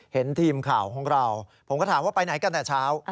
เห็นทีมข่าวของเราผมก็ถามว่าไปไหนกันแต่เช้า